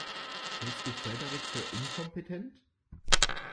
Hältst du Frederik für inkompetent?